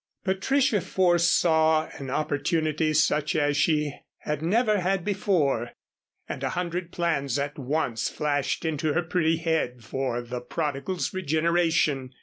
Patricia foresaw an opportunity such as she had never had before, and a hundred plans at once flashed into her pretty head for the prodigal's regeneration.